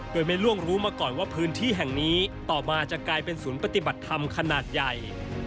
โดยไม่ล่วงรู้มาก่อนว่าพื้นที่แห่งนี้ต่อมาจะกลายเป็นศูนย์ปฏิบัติธรรมขนาดใหญ่